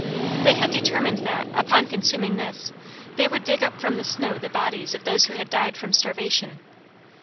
They had determined that, upon consuming this, they would dig up from the snow the bodies of those who had died from starvation.